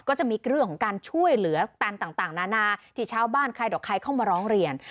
ก็จะมีเรื่องของการช่วยเหลือกันต่างนานาที่ชาวบ้านใครดอกใครเข้ามาร้องเรียน